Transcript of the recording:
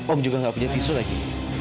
om juga nggak punya tisu lagi